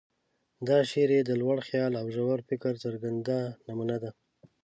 دا شعر یې د لوړ خیال او ژور فکر څرګنده نمونه ده.